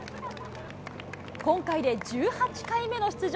今回で１８回目の出場。